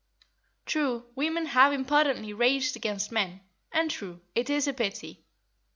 True, women have impotently raged against men, and, true, it is a pity.